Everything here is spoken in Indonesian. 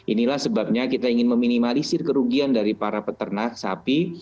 inilah sebabnya kita ingin meminimalisir kerugian dari para peternak sapi